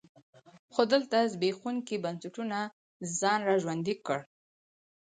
خو دلته زبېښونکي بنسټونو ځان را ژوندی کړ.